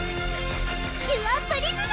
キュアプリズム！